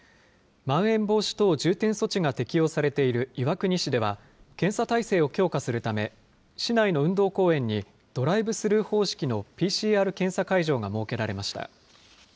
まん延防止等重点措置が適用されている岩国市では、検査体制を強化するため、市内の運動公園に、ドライブスルー方式のＰＣＲ検査会場が設けられました。